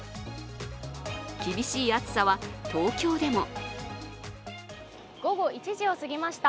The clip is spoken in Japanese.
厳しい暑さは、東京でも午後１時を過ぎました。